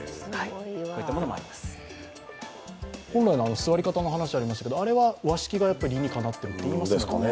座り方の話がありましたけれども、和式が理にかなっているということですかね。